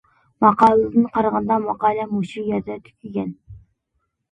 ماقالىدىن قارىغاندا ماقالە مۇشۇ يەردە تۈگىگەن.